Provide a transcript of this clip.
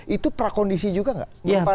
itu prakondisi juga nggak